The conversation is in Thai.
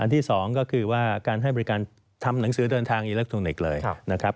ที่๒ก็คือว่าการให้บริการทำหนังสือเดินทางอิเล็กทรอนิกส์เลยนะครับ